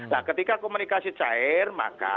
nah ketika komunikasi cair